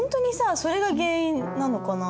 それが原因なのかな？